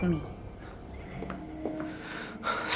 sebagai dewan penasehat